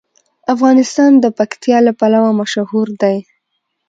افغانستان د پکتیا لپاره مشهور دی.